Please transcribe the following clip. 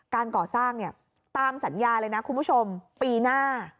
การก่อสร้างเนี่ยตามสัญญาเลยนะคุณผู้ชมปีหน้า